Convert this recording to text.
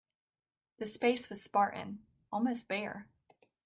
The space was spartan, almost bare.